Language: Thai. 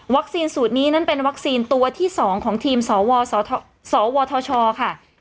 สูตรนี้นั้นเป็นวัคซีนตัวที่๒ของทีมสวสวทชค่ะ